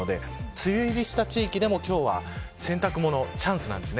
梅雨入りした地域でも洗濯物、チャンスです。